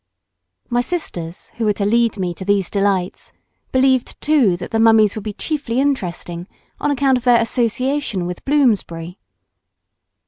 My sisters who were to lead me to these delights, believed too that the mummies would be chiefly interesting on account of their association with Bloomsbury.